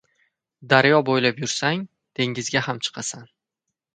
• Daryo bo‘ylab yursang, dengizga ham chiqasan.